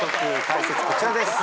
解説こちらです。